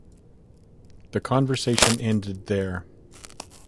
The conversation ended there.